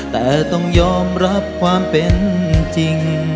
แต่ต้องยอมรับความเป็นจริง